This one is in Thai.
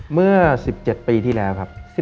เมื่อ๑๗ปีที่แล้วครับ